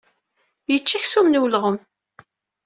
Yečča aksum n welɣem.